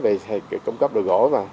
vì cung cấp được gỗ mà